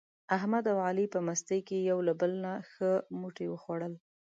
احمد او علي په مستۍ کې یو له بل نه ښه موټي و خوړل.